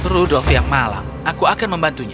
rudolf yang malang aku akan membantunya